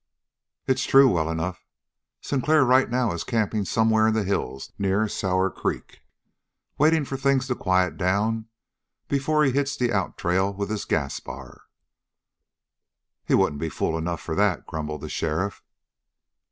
"It's true, well enough. Sinclair right now is camping somewhere in the hills near Sour Creek, waiting for things to quiet down before he hits the out trail with this Gaspar." "He wouldn't be fool enough for that," grumbled the sheriff.